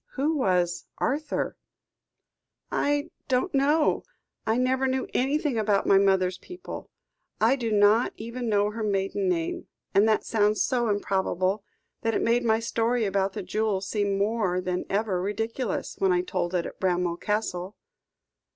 "Who was Arthur?" "I don't know. I never knew anything about my mother's people. I do not even know her maiden name. And that sounds so improbable, that it made my story about the jewel seem more than ever ridiculous, when I told it at Bramwell Castle."